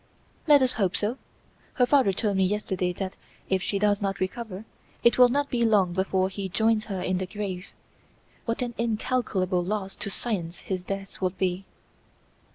"Let us hope so. Her father told me yesterday that, if she does not recover, it will not be long before he joins her in the grave. What an incalculable loss to science his death would be!"